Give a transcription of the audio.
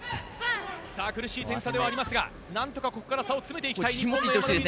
苦しい点差ではありますがなんとかここから点差を詰めていきたい。